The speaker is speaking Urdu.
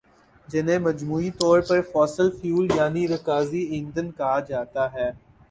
جنہیں مجموعی طور پر فوسل فیول یعنی رکازی ایندھن کہا جاتا ہے